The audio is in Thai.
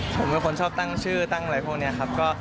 ผมเป็นคนชอบตั้งชื่อตั้งอะไรพวกนี้ครับ